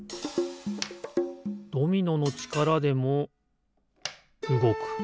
ドミノのちからでもうごく。